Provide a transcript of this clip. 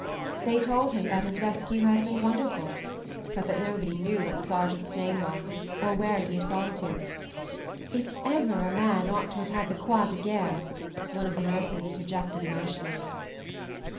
They told him that his rescue had been wonderful, but that nobody knew what the sergeant's name was, or where he had gone to. ... ("If ever a man ought to have had the Croix de Guerre !" one of the nurses interjected emotion ally.)